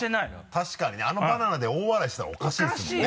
確かにねあのバナナで大笑いしてたらおかしいですもんね。